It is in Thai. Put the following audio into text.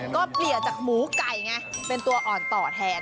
ก็เปลี่ยนจากหมูไก่ไงเป็นตัวอ่อนต่อแทน